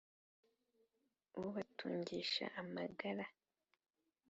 ubatungisha amagara.